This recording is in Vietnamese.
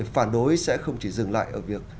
phản đối sẽ không chỉ dừng lại ở việc